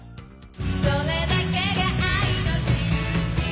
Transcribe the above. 「それだけが愛のしるし」